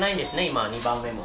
今２番目も。